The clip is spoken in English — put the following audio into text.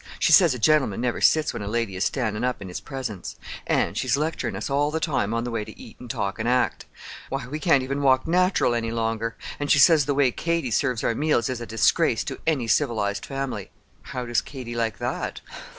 She says a gentleman never sits when a lady is standin' up in his presence. An' she's lecturin' us all the time on the way to eat an' talk an' act. Why, we can't even walk natural any longer. An' she says the way Katy serves our meals is a disgrace to any civilized family." "How does Katy like that?"